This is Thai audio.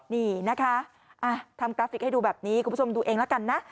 นี่นะคะทำกราฟิกให้ดูแบบนี้คุณผู้ชมดูเองแล้วกันนะ